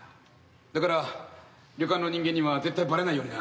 だから旅館の人間には絶対ばれないようにな。